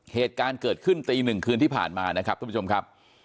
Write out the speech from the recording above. เหตุการณ์เกิดขึ้นตีหนึ่งคืนที่ผ่านมานะครับทุกผู้ชมครับ